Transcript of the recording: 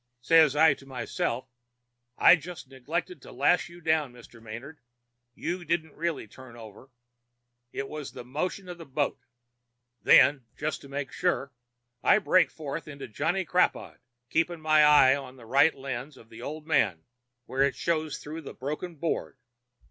Says I to myself: 'I just neglected to lash you down, Mr. Manard; you didn't really turn over. It was the motion of the boat.' Then, just to make sure, I break forth into 'Johnny Crapaud,' keeping my eye on the right lens of the old man where it showed through the broken board.